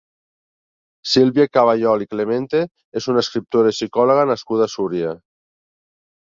Sílvia Caballol i Clemente és una escriptora i psicòloga nascuda a Súria.